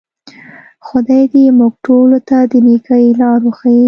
خدای دې موږ ټولو ته د نیکۍ لار وښیي.